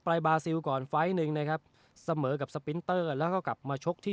ใบบาซิลก่อนไฟต์หนึ่งนะครับเสมอกับแล้วก็กลับมาที่